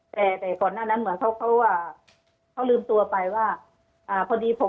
แต่ก่อนหน้านั้นเหมือนเค้าว่าเค้าลืมตัวไปว่าพอดีผมเป็นปีชง